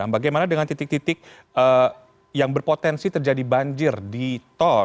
bagaimana dengan titik titik yang berpotensi terjadi banjir di tol